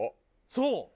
そう。